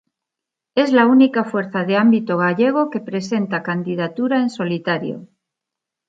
Es la única fuerza de ámbito gallego que presenta candidatura en solitario.